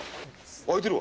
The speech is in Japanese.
開いてるわ。